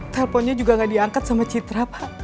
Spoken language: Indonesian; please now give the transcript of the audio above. teleponnya juga gak diangkat sama citra pak